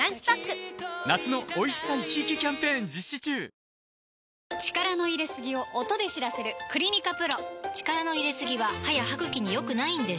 創業以来変わらない力の入れすぎを音で知らせる「クリニカＰＲＯ」力の入れすぎは歯や歯ぐきに良くないんです